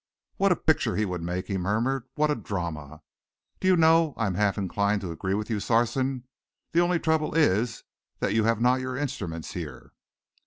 "What a picture he would make!" he murmured. "What a drama! Do you know, I am half inclined to agree with you, Sarson. The only trouble is that you have not your instruments here."